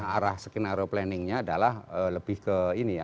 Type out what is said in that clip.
arah skenario planningnya adalah lebih ke ini ya